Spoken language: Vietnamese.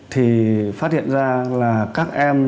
thì phát hiện ra là các em